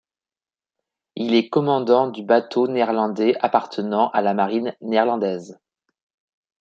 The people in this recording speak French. Il est commandant du bateau néerlandais appartenant à la marine néerlandaise.